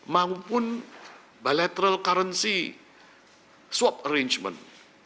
maupun bilateral currency swap arrangement